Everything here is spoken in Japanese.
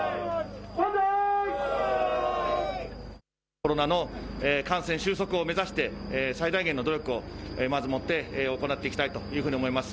コロナの感染収束を目指して最大限の努力をまずもって行っていきたいと思います。